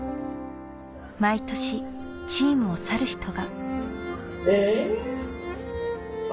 毎年チームを去る人がえあ